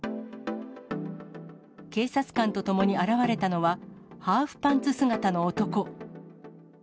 警察官と共に現れたのは、ハーフパンツ姿の男。